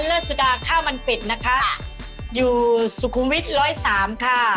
เริ่มใหม่คิดใหม่ทำใหม่นะคะครับผม